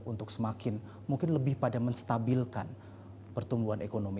untuk semakin mungkin lebih pada menstabilkan pertumbuhan ekonomi